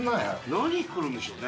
何くるんでしょうね？